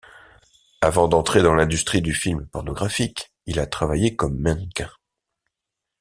Avant d'entrer dans l'industrie du film pornographique, il a travaillé comme mannequin.